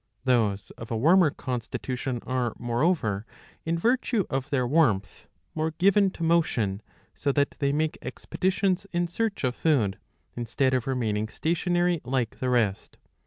^ Those of a warmer constitution are, moreover, in virtue of their warmth more given to motion, so that they make expeditions in search of food, instead of remaining stationary like the rest.